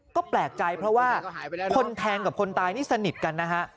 ก็แปลกใจเพราะว่าคนแทงกับคนตายนี่สนิทกันนะฮะ